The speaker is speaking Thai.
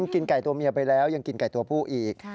กินไก่ตัวเมียไปแล้วยังกินไก่ตัวผู้อีก